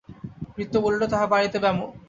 ভৃত্য বলিল, তাঁহার বাড়িতে ব্যামো।